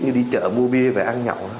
như đi chợ mua bia về ăn nhậu